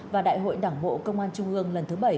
và đại hội đảng bộ công an trung ương lần thứ bảy